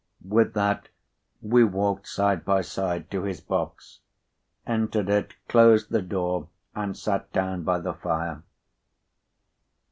With that, we walked side by side to his box, entered it, closed the door, and sat down by the fire.